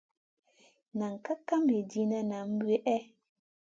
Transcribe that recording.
Na kaʼa kam hidina nam wihè.